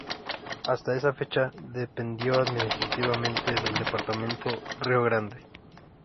Hasta esa fecha dependió administrativamente del departamento Río Grande.